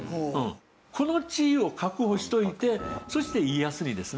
この地位を確保しといてそして家康にですね